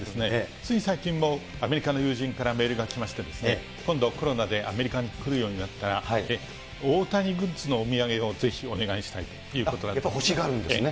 つい最近もアメリカの友人からメールが来まして、今度コロナでアメリカに来るようになったら、大谷グッズのお土産をぜひお願いしたいということなんですね。